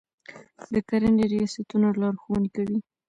د کرنې ریاستونه لارښوونې کوي.